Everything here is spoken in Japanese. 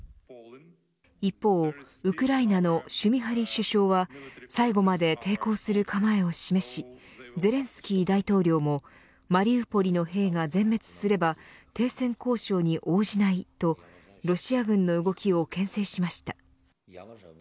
一方、ウクライナのシュミハリ首相は最後まで抵抗する構えを示しゼレンスキー大統領もマリウポリの兵が全滅すれば停戦交渉に応じないとロシア軍の動きをけん制しました。